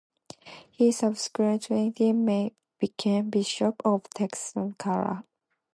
He subsequently became bishop of Tlaxcala.